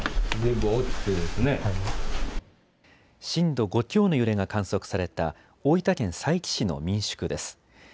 震度５強の揺れが観測された大分県佐伯市の民宿です。